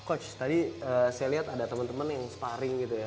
coach tadi saya lihat ada teman teman yang sparring gitu ya